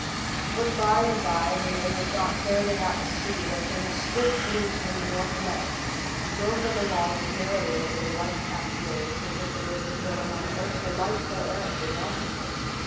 But by and by, when they had got fairly out to sea, there came a stiff breeze from the north west, and drove them along as merrily over the white capped waves as if they had been going on the most delightful errand imaginable.